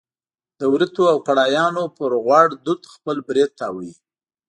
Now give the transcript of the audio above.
د وریتو او کړایانو پر غوړ دود خپل برېت تاووي.